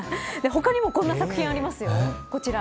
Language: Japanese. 他にもこんな作品がありますよ。